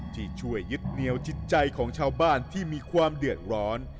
ที่ช่วยยึดเหนียวจิตใจของชาวบ้านที่มีความเดือดร้อน